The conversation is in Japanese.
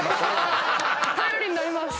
頼りになります！